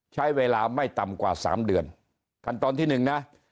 ใช้เวลาไม่ต่ำกว่าสามเดือนขั้นตอนที่หนึ่งนะ